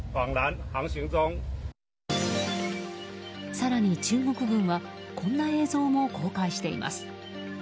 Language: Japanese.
更に、中国軍はこんな映像も公開しています。